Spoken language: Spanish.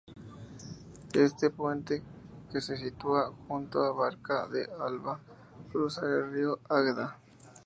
Este puente, que se sitúa junto a Barca d’Alva, cruza el Río Águeda.